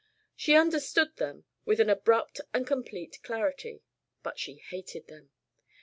She understood them with an abrupt and complete clarity, but she hated them.